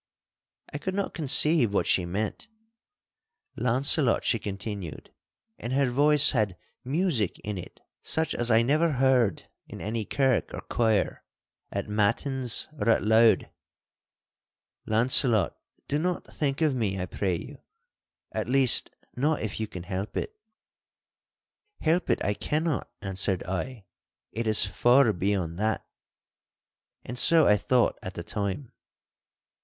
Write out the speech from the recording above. I could not conceive what she meant. 'Launcelot,' she continued, and her voice had music in it such as I never heard in any kirk or quire, at matins or at laud,—'Launcelot, do not think of me, I pray you—at least, not if you can help it—' 'Help it I cannot,' answered I; 'it is far beyond that!' And so I thought at the time.